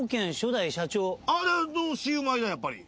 あのシウマイだやっぱり。